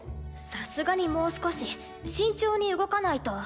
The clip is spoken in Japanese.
さすがにもう少し慎重に動かないと。